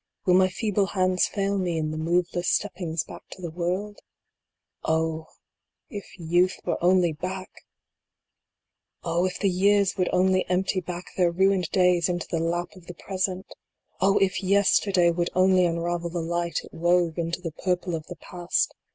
Will my feeble hands fail me in the moveless stoppings back to the world ? Oh ! if youth were only back ! Oh ! if the years would only empty back their ruined days into the lap of the Present ! Oh ! if yesterday would only unravel the light it wove into the purple of the Past